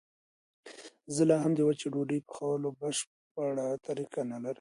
زه لا هم د وچې ډوډۍ پخولو بشپړه طریقه نه لرم.